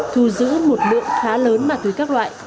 thu giữ một lượng khá lớn ma túy các loại